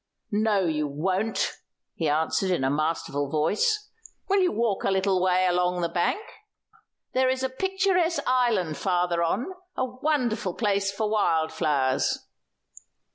"No, you won't," he answered in a masterful voice. "Will you walk a little way along the bank? There's a picturesque island farther on, a wonderful place for wild flowers."